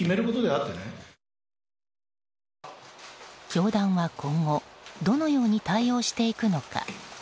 教団は今後どのように対応していくのか。